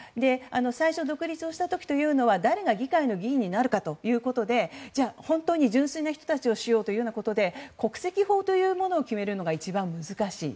最初、独立をした時というのは誰が議会の議員になるかということで本当に純粋な人たちをしようということで国籍法というものを決めるのが一番、難しい。